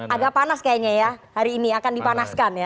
agak panas kayaknya ya hari ini akan dipanaskan ya